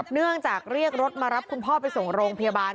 เนื่องจากเรียกรถมารับคุณพ่อไปส่งโรงพยาบาล